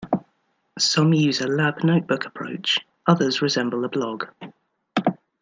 Some use a lab-notebook approach, others resemble a blog.